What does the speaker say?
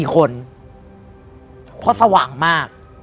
๔คนเพราะสว่างมาก